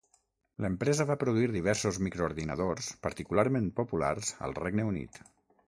L'empresa va produir diversos microordinadors particularment populars al Regne Unit.